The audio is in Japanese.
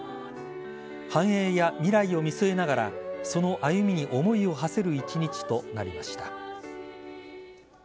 繁栄や未来を見据えながらその歩みに思いをはせる１日となりました。